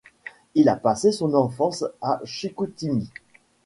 Il a passé son enfance à Chicoutimi.